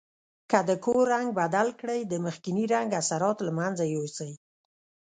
که د کور رنګ بدل کړئ د مخکني رنګ اثرات له منځه یوسئ.